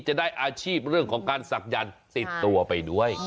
จะได้อาชีพเรื่องของการศักยันต์ติดตัวไปด้วย